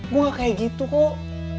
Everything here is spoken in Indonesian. gua ga kayak gitu kok